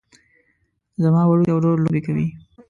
زما وړوکی ورور لوبې کوي